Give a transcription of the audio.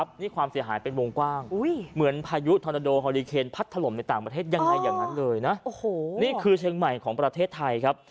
บริเวณพัดถล่มในต่างประเทศยังไงอย่างนั้นเลยนะโอ้โหนี่คือเชียงใหม่ของประเทศไทยครับ